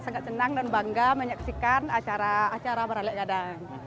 sangat senang dan bangga menyaksikan acara acara baralei gadang